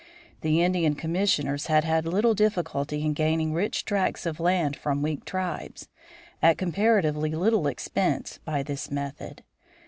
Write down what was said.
The Indian Commissioners had had little difficulty in gaining rich tracts of land from weak tribes, at comparatively little expense, by this method.